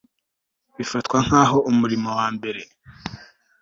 bifatwa nk aho umurimo wa mbere